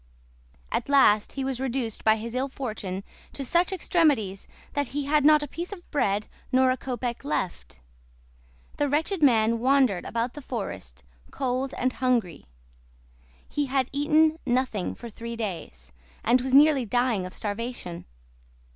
At last he was reduced by his ill fortune to such extremities that he had not a piece of bread nor a kopek left. The wretched man wandered about the forest, cold and hungry; he had eaten nothing for three days, and was nearly dying of starvation.